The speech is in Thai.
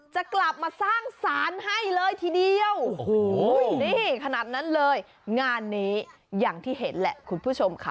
จะกลับมาสร้างสารให้เลยทีเดียวโอ้โหนี่ขนาดนั้นเลยงานนี้อย่างที่เห็นแหละคุณผู้ชมค่ะ